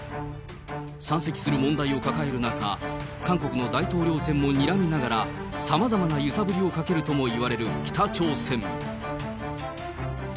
山積する問題を抱える中、韓国の大統領選もにらみながら、さまざまな揺さぶりをかけるともいわれる北朝鮮。